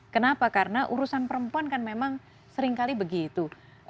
kenapa karena urusan perempuan kan memang seringkali begitu